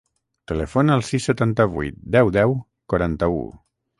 Telefona al sis, setanta-vuit, deu, deu, quaranta-u.